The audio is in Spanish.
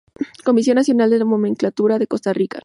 Comisión Nacional de Nomenclatura de Costa Rica.